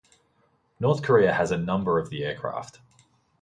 North Korea has a number of the aircraft.